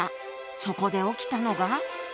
そこで起きたのが。